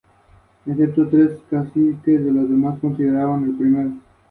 Casualmente, los dos acabarían formando una de las últimas parejas estables de la serie.